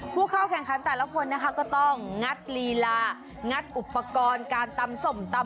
ผู้เข้าแข่งขันแต่ละคนนะคะก็ต้องงัดลีลางัดอุปกรณ์การตำส้มตำ